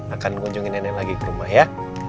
akan mengunjungi nenek lagi ke rumah ya